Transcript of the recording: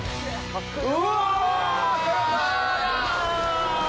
うわ！